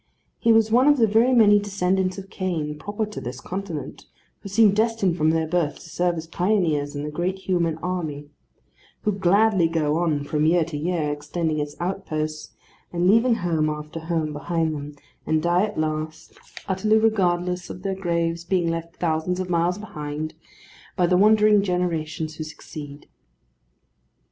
He was one of the very many descendants of Cain proper to this continent, who seem destined from their birth to serve as pioneers in the great human army: who gladly go on from year to year extending its outposts, and leaving home after home behind them; and die at last, utterly regardless of their graves being left thousands of miles behind, by the wandering generation who succeed.